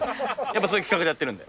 やっぱそういう企画でやってるんで。